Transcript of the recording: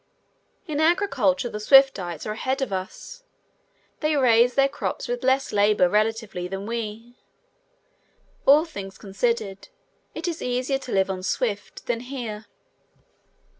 In agriculture the Swiftites are ahead of us. They raise their crops with less labor relatively than we. All things considered it is easier to live on Swift than here.